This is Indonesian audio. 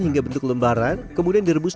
hingga bentuk lembaran kemudian direbus